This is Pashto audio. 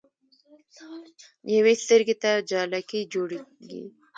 يوې سترګې ته جالکي جوړيږي